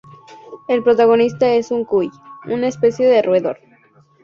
El protagonista es un cuy, una especie de roedor.